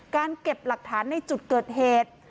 เก็บหลักฐานในจุดเกิดเหตุ